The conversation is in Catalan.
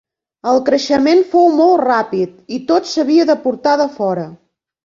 El creixement fou molt ràpid i tot s'havia de portar de fora.